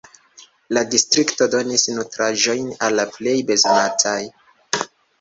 La distrikto donis nutraĵojn al la plej bezonataj.